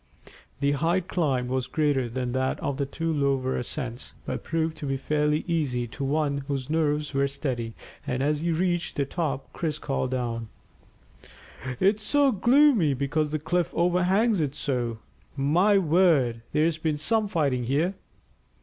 The height climbed was greater than that of the two lower ascents, but proved to be fairly easy to one whose nerves were steady, and as he reached the top Chris called down "It's so gloomy because the cliff overhangs it so. My word! There's been some fighting here!"